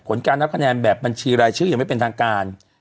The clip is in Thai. ผลการนับคะแนนแบบบัญชีรายชื่อยังไม่เป็นทางการ